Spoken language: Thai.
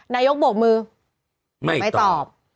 นายกโบกมือไม่ตอบ